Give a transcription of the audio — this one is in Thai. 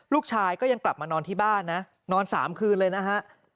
ลูกชายก็ยังกลับมานอนที่บ้านนะนอน๓คืนเลยนะฮะ